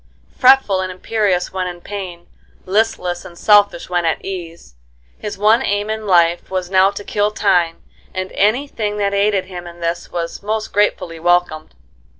Fretful and imperious when in pain, listless and selfish when at ease, his one aim in life now was to kill time, and any thing that aided him in this was most gratefully welcomed.